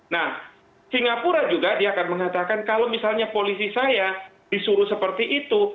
nah singapura juga dia akan mengatakan kalau misalnya polisi saya disuruh seperti itu